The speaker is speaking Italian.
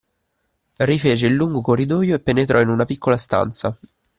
Rifece il lungo corridoio e penetrò in una piccola stanza